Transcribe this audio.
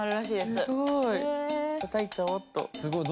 すごい。